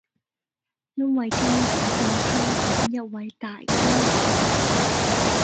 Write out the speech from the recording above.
因為根據香港一位大官講